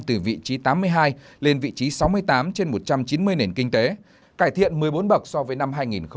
từ vị trí tám mươi hai lên vị trí sáu mươi tám trên một trăm chín mươi nền kinh tế cải thiện một mươi bốn bậc so với năm hai nghìn một mươi